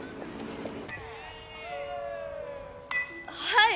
はい。